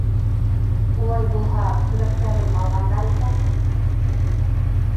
— Улай булһа, көрәктәрен алғандар икән.